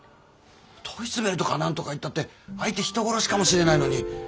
問い詰めるとか何とかいったって相手人殺しかもしれないのに。